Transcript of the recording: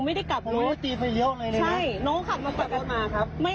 พี่มาปากหนูพี่มาปากหนู